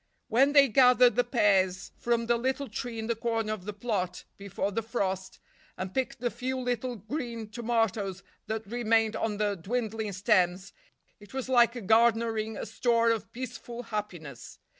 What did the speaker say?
When they gathered the pears from the little tree in the corner of the plot, before the frost, and picked the few little green tomatoes that remained on the dwindling stems, it was like garnering a store of peaceful happiness.